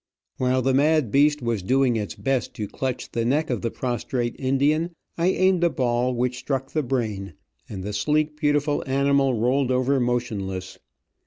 While the mad beast was doing its best to clutch the neck of the prostrate Indian, I aimed a ball which struck the brain, and the sleek, beautiful animal rolled over motionless.